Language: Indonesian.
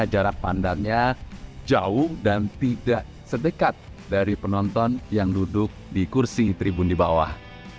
jarak pandangnya jauh dan tidak sedekat dari penonton yang duduk di kursi tribun di bawah